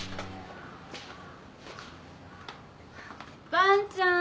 伴ちゃん。